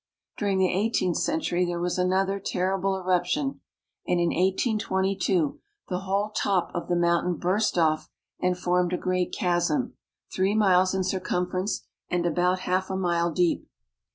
During the eighteenth century there was another terrible eruption, and in 1822 the whole top of the mountain burst off and formed a great chasm, three miles in circumference, and about half a mile deep.